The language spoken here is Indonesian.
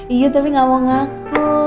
iya tapi gak mau ngaku